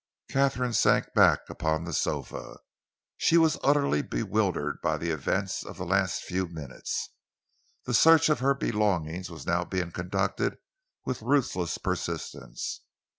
Katharine sank back upon the sofa. She was utterly bewildered by the events of the last few minutes. The search of her belongings was now being conducted with ruthless persistence.